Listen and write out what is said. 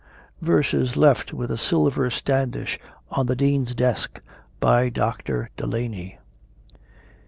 VERSES LEFT WITH A SILVER STANDISH ON THE DEAN'S DESK, BY DR. DELANY.